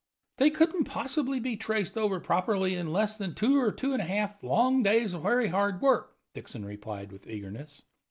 "They couldn't possibly be traced over properly in less than two or two and a half long days of very hard work," Dixon replied with eagerness.